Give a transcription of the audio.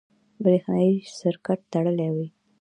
برېښنایي سرکټ تړلی وي.